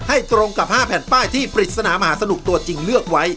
ตรงกับ๕แผ่นป้ายที่ปริศนามหาสนุกตัวจริงเลือกไว้